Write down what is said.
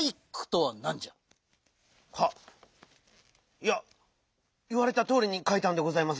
いやいわれたとおりにかいたんでございますが。